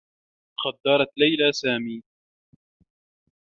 خدّرت ليلى سامي.